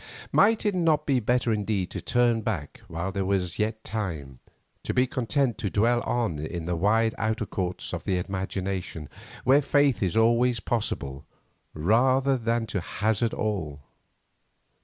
Might it not be better indeed to turn back while there was yet time, to be content to dwell on in the wide outer courts of the imagination, where faith is always possible, rather than to hazard all?